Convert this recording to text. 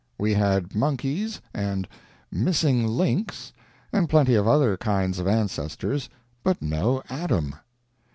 We had monkeys, and "missing links," and plenty of other kinds of ancestors, but no Adam.